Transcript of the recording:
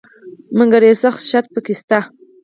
مګر یو سخت شرط پکې شته.